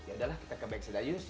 ya udahlah kita ke backstage aja